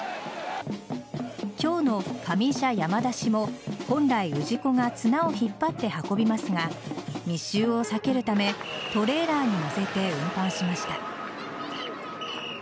今日の上社山出しも本来、氏子が綱を引っ張って運びますが密集を避けるためトレーラーに載せて運搬しました。